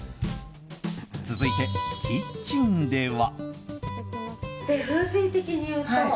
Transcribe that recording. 続いて、キッチンでは。